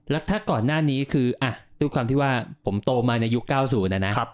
แล้วถ้าก่อนหน้านี้คือด้วยความที่ว่าผมโตมาในยุค๙๐นะนะ